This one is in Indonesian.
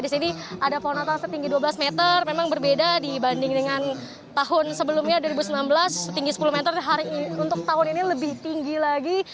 di sini ada pohon natal setinggi dua belas meter memang berbeda dibanding dengan tahun sebelumnya dua ribu sembilan belas setinggi sepuluh meter untuk tahun ini lebih tinggi lagi